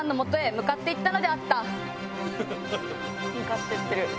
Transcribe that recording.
向かってってる。